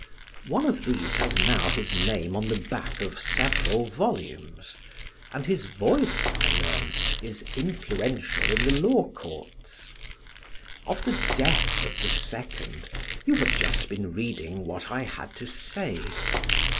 One of these has now his name on the back of several volumes, and his voice, I learn, is influential in the law courts. Of the death of the second, you have just been reading what I had to say.